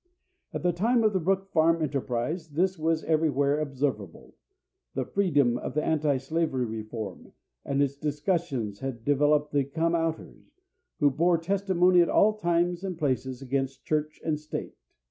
At the time of the Brook Farm enterprise this was everywhere observable. The freedom of the anti slavery reform and its discussions had developed the "come outers," who bore testimony at all times and places against Church and State.